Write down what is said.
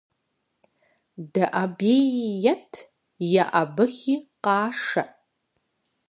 ДэӀэбеи ет, еӀэбыхи къашэ.